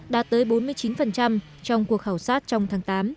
đạt tới bốn mươi chín trong cuộc khảo sát trong tháng tám